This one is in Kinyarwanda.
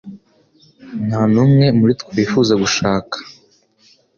Nta n'umwe muri twe wifuza gushaka